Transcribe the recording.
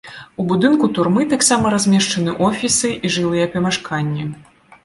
У будынку турмы таксама размешчаны офісы і жылыя памяшканні.